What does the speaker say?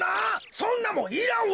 そんなもんいらんわ！